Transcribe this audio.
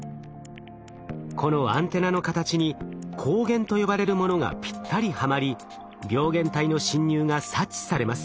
このアンテナの形に抗原と呼ばれるものがぴったりはまり病原体の侵入が察知されます。